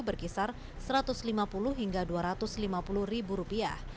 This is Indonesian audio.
berkisar satu ratus lima puluh hingga dua ratus lima puluh ribu rupiah